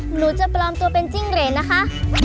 หนูจะปลอมตัวเป็นจิ้งเหรนนะคะ